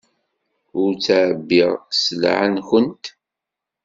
Ur ttɛebbiɣ sselɛa-nwent.